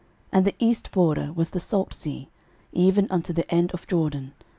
06:015:005 And the east border was the salt sea, even unto the end of Jordan.